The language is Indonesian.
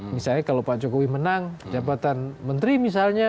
misalnya kalau pak jokowi menang jabatan menteri misalnya